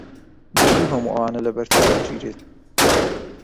دەبوو هەموو ئەوانە لەبەرچاو بگریت.